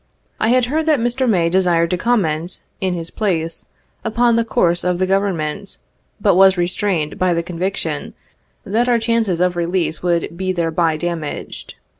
I had heard that Mr. May desired to comment, in his place, upon the course of the Government, but was restrained by the conviction that our chances of release would be thereby damaged.